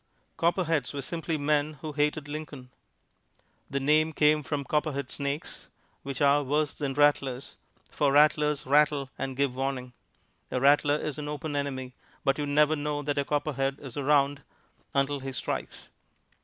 Copperheads were simply men who hated Lincoln. The name came from copperhead snakes, which are worse than rattlers, for rattlers rattle and give warning. A rattler is an open enemy, but you never know that a copperhead is around until he strikes.